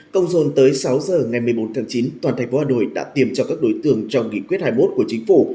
công dồn tới sáu giờ ngày một mươi bốn tháng chín toàn thành phố hà nội đã tìm cho các đối tượng trong nghị quyết hai mươi một của chính phủ